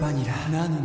なのに．．．